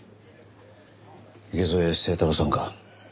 池添清太郎さんか。